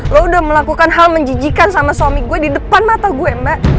lo udah melakukan hal menjijikan sama suami gue di depan mata gue mbak